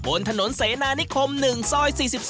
บนถนนเสนานิคม๑ซอย๔๒